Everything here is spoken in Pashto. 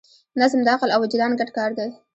نظم د عقل او وجدان ګډ کار دی.